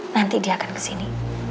nanti dia akan kesini